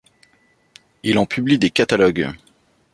Il en publie des catalogues.